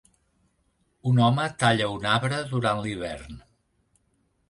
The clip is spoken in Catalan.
Un home talla un arbre durant l'hivern